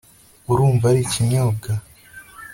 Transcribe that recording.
urumva ari ikinyobwa